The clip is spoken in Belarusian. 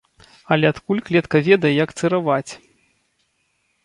Але адкуль клетка ведае, як цыраваць?